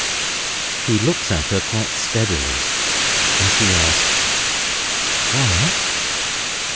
He looks at her quite steadily, as he asks: "Why?"